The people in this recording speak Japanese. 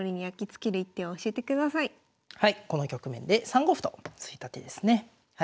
この局面で３五歩と突いた手ですね。